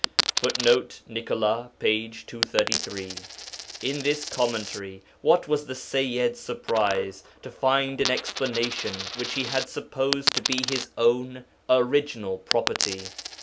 [Footnote: Nicolas, p. 233.] In this commentary what was the Sayyid's surprise to find an explanation which he had supposed to be his own original property!